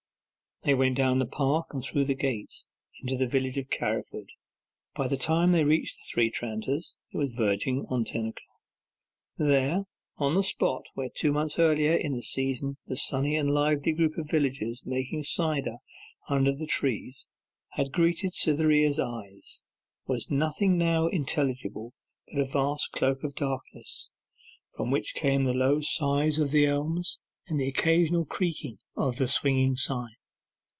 They went down the park and through the gate, into the village of Carriford. By the time they reached the Three Tranters, it was verging upon ten o'clock. There, on the spot where two months earlier in the season the sunny and lively group of villagers making cider under the trees had greeted Cytherea's eyes, was nothing now intelligible but a vast cloak of darkness, from which came the low sough of the elms, and the occasional creak of the swinging sign.